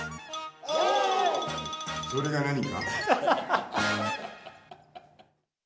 おそれが何か？